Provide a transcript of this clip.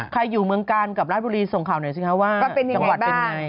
อยู่เมืองกาลกับราชบุรีส่งข่าวหน่อยสิคะว่าจังหวัดเป็นไง